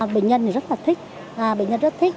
bệnh nhân rất là thích bệnh nhân rất thích